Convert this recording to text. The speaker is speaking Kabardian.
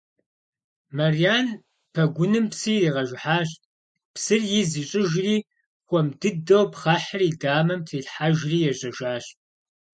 Мэрян пэгуным псы иригъэжыхьащ, псыр из ищӀыжри хуэм дыдэу пхъэхьыр и дамэм трилъхьэжри ежьэжащ.